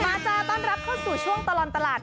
จ้าต้อนรับเข้าสู่ช่วงตลอดตลาด